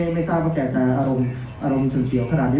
ไม่ทราบว่าแกจะอารมณ์ฉุนเฉียวขนาดนี้